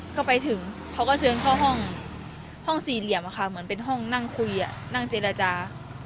ก็ไปถึงเขาก็เชิญเข้าห้องสี่เหลี่ยมเหมือนเป็นห้องนั่งคุยนั่งเจรจา